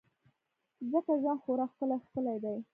ځکه ژوند خورا ښکلی او ښکلی دی.